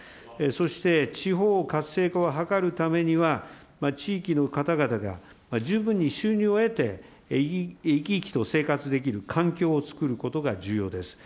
そして地方活性化を図るためには、地域の方々が十分に収入を得て、生き生きと生活できる環境を作ることが重要です。